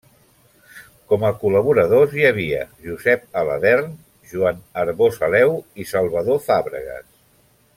Com a col·laboradors hi havia Josep Aladern, Joan Arbós Aleu i Salvador Fàbregues.